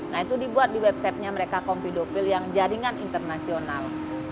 nah itu dibuat di websitenya mereka compidopil yang jaringan internasional